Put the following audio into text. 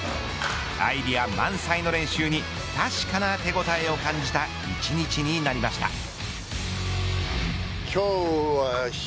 アイデア満載の練習に確かな手応えを感じた１日になりました。